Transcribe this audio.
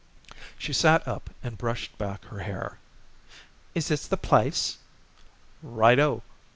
She sat up and brushed back her hair. "Is this the place?" "Right o!